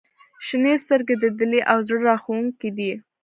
• شنې سترګې د دلې او زړه راښکونکې دي.